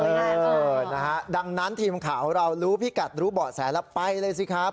เออนะฮะดังนั้นทีมข่าวของเรารู้พิกัดรู้เบาะแสแล้วไปเลยสิครับ